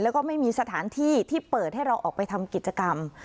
แล้วก็ไม่มีสถานที่ที่เปิดให้เราออกไปทำกิจกรรม